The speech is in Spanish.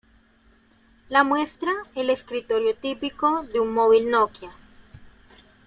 La muestra el escritorio típico de un móvil Nokia.